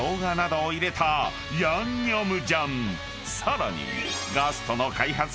［さらに］